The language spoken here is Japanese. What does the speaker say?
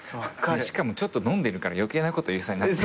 しかもちょっと飲んでるから余計なこと言いそうに。